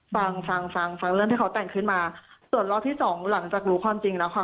ฟังฟังฟังฟังฟังเรื่องที่เขาแต่งขึ้นมาส่วนรอบที่สองหลังจากรู้ความจริงแล้วค่ะ